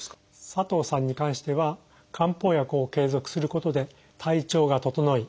佐藤さんに関しては漢方薬を継続することで体調が整い